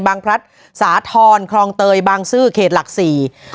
บางพลัดสาธรคลองเตยบางซื้อเขตหลักศรี